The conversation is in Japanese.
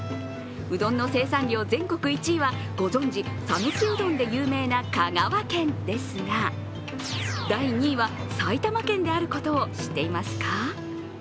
うどんの生産量全国１位はご存じ、讃岐うどんで有名な香川県ですが第２位は、埼玉県であることを知っていますか？